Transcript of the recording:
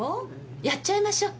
やっちゃいましょう。